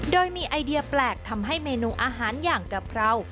โดยมีไอเดียแปลกทำให้เมนูอาหารอย่างกะเพรา